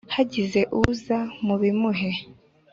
Hagize uza mubimuhe.